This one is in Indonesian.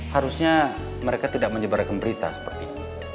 harusnya mereka tidak menyebarkan berita seperti itu